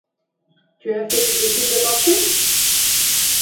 Tu as fait des études de marché ?